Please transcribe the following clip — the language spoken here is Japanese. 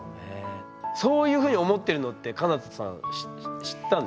そういうふうに思ってるのってかな多さん知ったんですか？